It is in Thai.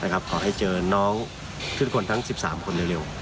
ขอให้เจอน้องขึ้นคนทั้ง๑๓คนเร็ว